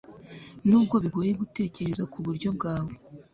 Nubwo bigoye gutekereza ku buryo bwawe